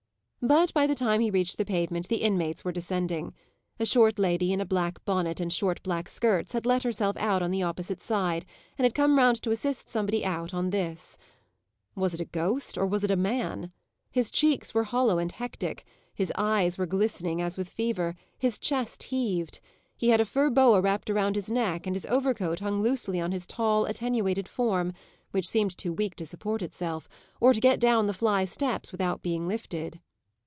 But, by the time he reached the pavement, the inmates were descending. A short lady, in a black bonnet and short black skirts, had let herself out on the opposite side, and had come round to assist somebody out on this. Was it a ghost, or was it a man? His cheeks were hollow and hectic, his eyes were glistening as with fever, his chest heaved. He had a fur boa wrapped round his neck, and his overcoat hung loosely on his tall, attenuated form, which seemed too weak to support itself, or to get down the fly steps without being lifted.